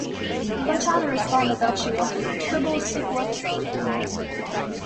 Fontana responded that she wanted the tribble sequel episode.